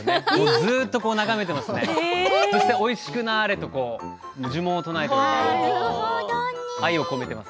ずっと眺めていますねおいしくなれと呪文を唱えています。